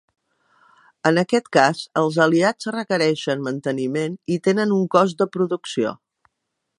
En aquest cas, els aliats requereixen manteniment i tenen un cost de producció.